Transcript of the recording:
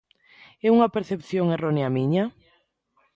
É unha percepción errónea miña?